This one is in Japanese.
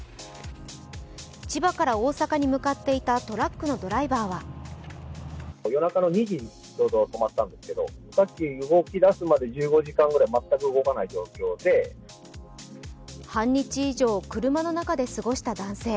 千葉から大阪に向かっていたトラックのドライバーは半日以上、車の中で過ごした男性。